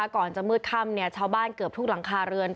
ก่อนจะมืดค่ำชาวบ้านเกือบทุกหลังคาเรือน